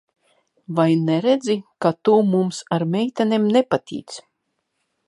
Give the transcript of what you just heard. Vai neredzi, ka tu mums ar meitenēm nepatīc?